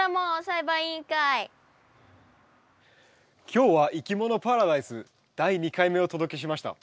今日は「いきものパラダイス」第２回目をお届けしました。